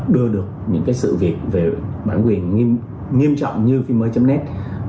đưa được những sự việc về bản quyền nghiêm trọng như phim mới net